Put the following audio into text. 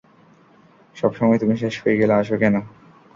সবসময় তুমি শেষ হয়ে গেলে আসো কেন?